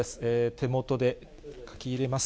手元で書き入れます。